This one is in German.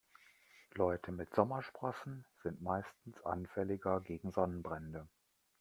Leute mit Sommersprossen sind meistens anfälliger gegen Sonnenbrände.